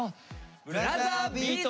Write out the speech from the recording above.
「ブラザービート」。